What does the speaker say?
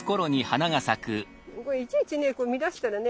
これいちいちね見だしたらね